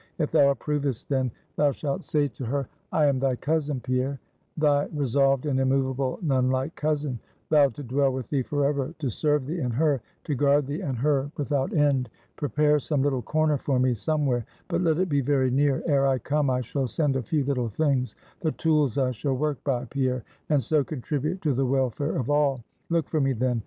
If thou approvest then, thou shalt say to her, I am thy cousin, Pierre; thy resolved and immovable nun like cousin; vowed to dwell with thee forever; to serve thee and her, to guard thee and her without end. Prepare some little corner for me somewhere; but let it be very near. Ere I come, I shall send a few little things, the tools I shall work by, Pierre, and so contribute to the welfare of all. Look for me then.